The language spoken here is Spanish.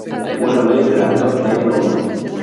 Es buen amigo del actor Jamie Lomas.